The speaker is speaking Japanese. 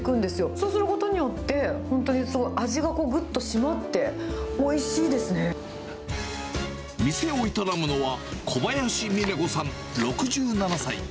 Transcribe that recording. そうすることによって、本当に味がぐっとしまって、おいしいです店を営むのは、小林峰子さん６７歳。